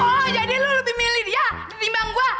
oh jadi lu lebih milih dia dari bang gue